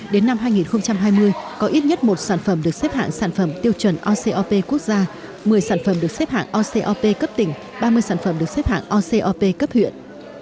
đến năm hai nghìn hai mươi có ít nhất một sản phẩm được xếp hạng sản phẩm tiêu chuẩn ocop quốc gia một mươi sản phẩm được xếp hạng ocop cấp tỉnh ba mươi sản phẩm được xếp hạng ocop cấp huyện